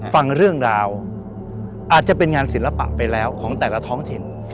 ฟังเรื่องราวอาจจะเป็นงานศิลปะไปแล้วของแต่ละท้องถิ่น